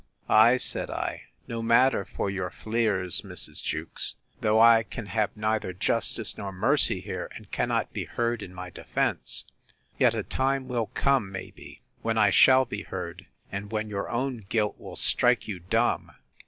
—Ay, said I, no matter for your fleers, Mrs. Jewkes; though I can have neither justice nor mercy here, and cannot be heard in my defence, yet a time will come, may be, when I shall be heard, and when your own guilt will strike you dumb.